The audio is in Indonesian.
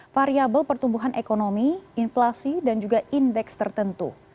variable pertumbuhan ekonomi inflasi dan juga indeks tertentu